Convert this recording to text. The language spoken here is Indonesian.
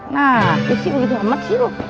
nah disini begitu amat sih lu